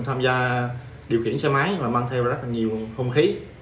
tham gia điều khiển xe máy và mang theo rất là nhiều hung khí